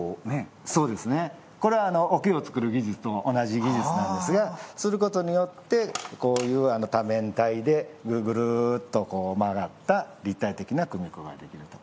これは、桶を作る技術と同じ技術なんですがすることによってこういう多面体で、ぐるぐるっと曲がった立体的な組子ができると。